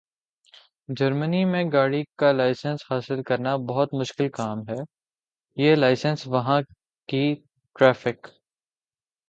۔جرمنی میں گاڑی کا لائسنس حاصل کرنا بہت مشکل کام ہے۔ یہ لائسنس وہاں کی ٹریف